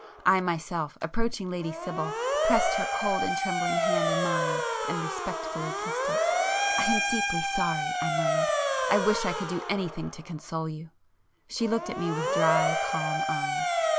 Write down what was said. I myself, approaching Lady Sibyl, pressed her cold and trembling hand in mine, and respectfully kissed it. "I am deeply sorry!" I murmured—"I wish I could do anything to console you!" She looked at me with dry calm eyes.